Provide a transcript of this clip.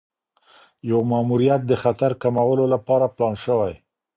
یو ماموریت د خطر کمولو لپاره پلان شوی.